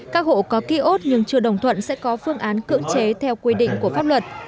các hộ có ký ốt nhưng chưa đồng thuận sẽ có phương án cưỡng chế theo quy định của pháp luật